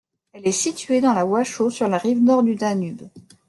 Elle est située dans la Wachau sur la rive nord du Danube.